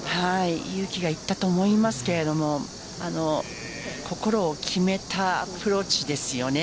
勇気がいったと思いますけど心を決めたアプローチですよね。